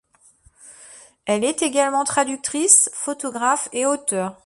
Elle est également traductrice, photographe et auteur.